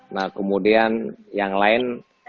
nah kemudian yang lain